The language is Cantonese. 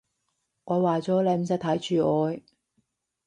我話咗，你唔使睇住我